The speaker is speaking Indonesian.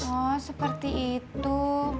oh seperti itu